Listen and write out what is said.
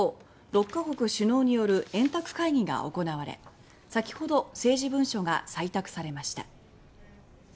６か国首脳による円卓会議が行われまもなく政治文書が採択される予定です。